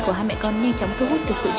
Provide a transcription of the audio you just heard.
thì bây giờ đi làm đi nào đây